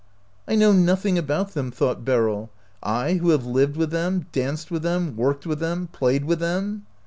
"I know nothing about them," thought Beryl —" I who have lived with them, danced with them, worked with them, played with them?"